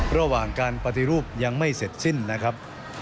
ระหว่างการปฏิรูปยังไม่เสร็จสิ้นนะครับ